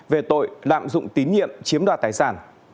về tội lạm dụng tín nhiệm chiếm đoạt tài sản